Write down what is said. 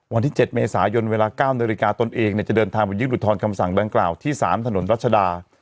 วันที่๗เมษายนเวลา๙นาฬิกาตนเองจะเดินทางไปยื่นอุทธรณคำสั่งดังกล่าวที่๓ถนนรัชดา